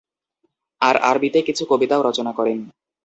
তিনি আরবিতে কিছু কবিতাও রচনা করেন।